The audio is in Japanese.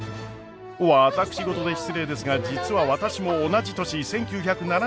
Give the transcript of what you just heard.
私事で失礼ですが実は私も同じ年１９７２年に東京へ。